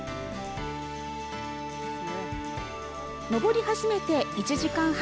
登り始めて１時間半。